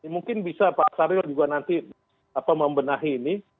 mungkin bisa pak syahril juga nanti membenahi ini